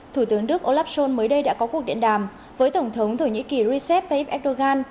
thủ tướng đức olaf scholz mới đây đã có cuộc điện đàm với tổng thống thổ nhĩ kỳ recep tayyip erdogan